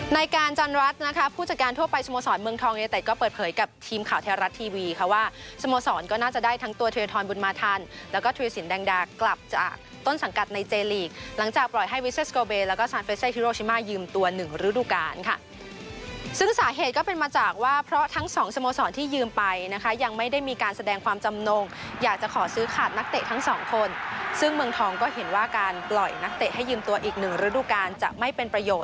ในการจันรัฐนะคะผู้จัดการทั่วไปสโมสรเมืองทองยูเนเตตก็เปิดเผยกับทีมข่าวแท้รัฐทีวีค่ะว่าสโมสรก็น่าจะได้ทั้งตัวทรียธรรมบุญมาทันแล้วก็ทรียศิลป์แดงดากกลับจากต้นสังกัดในเจลีกหลังจากปล่อยให้วิสเตอร์สโกเบร์แล้วก็ซานเฟสเซฮีโรชิมายืมตัวหนึ่งฤดูกาลค่ะ